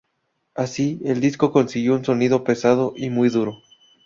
Así, el disco consiguió un sonido pesado y muy duro.